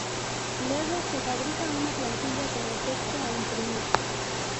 Luego, se fabrica una plantilla con el texto a imprimir.